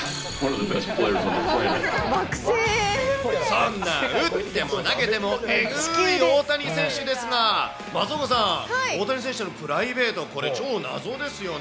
そんな打っても投げてもえぐい大谷選手ですが、松岡さん、大谷選手のプライベート、これ、超謎ですよね。